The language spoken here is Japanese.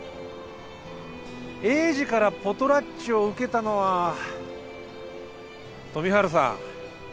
栄治からポトラッチを受けたのは富治さんあなたですね？